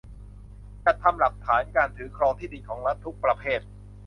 จัดทำหลักฐานการถือครองที่ดินของรัฐทุกประเภท